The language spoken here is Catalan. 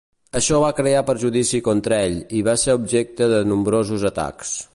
Això va crear prejudici contra ell, i va ser objecte de nombrosos atacs.